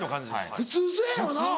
普通そやよな。